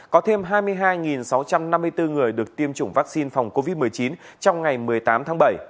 có thêm hai mươi hai sáu trăm năm mươi bốn người được tiêm chủng vaccine phòng covid một mươi chín trong ngày một mươi tám tháng bảy